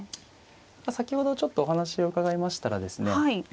先ほどちょっとお話を伺いましたらですね